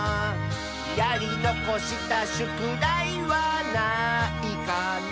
「やりのこしたしゅくだいはないかな」